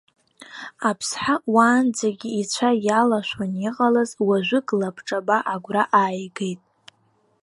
Аԥсҳа уаанӡагьы ицәа иалашәон иҟалаз, уажәык лабҿаба агәра ааигеит.